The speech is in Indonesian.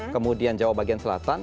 kemudian jawa bagian selatan